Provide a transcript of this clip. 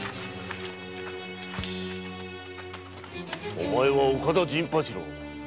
お前は岡田陣八郎。